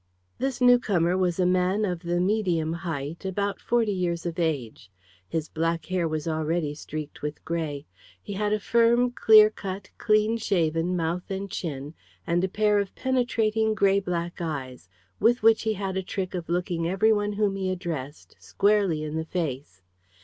This newcomer was a man of the medium height, about forty years of age. His black hair was already streaked with grey. He had a firm, clear cut, clean shaven mouth and chin, and a pair of penetrating grey black eyes, with which he had a trick of looking every one whom he addressed squarely in the face.